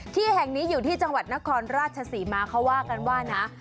ที่แห่งนี้อยู่ที่จังหวัดนครราชศรีมาเขาว่ากันว่านะ